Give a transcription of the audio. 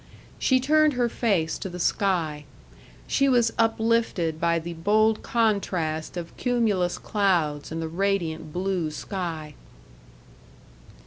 She turned her face to the sky. She was uplifted by the bold contrast of cumulus clouds and the radiant blue sky.